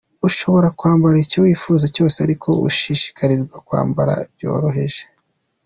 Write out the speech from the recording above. Ushobora kwambara icyo wifuza cyose ariko ushishikarizwa kwambara byoroheje.